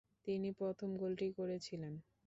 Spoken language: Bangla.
তিনি প্রথম গোলটি করেছিলেন।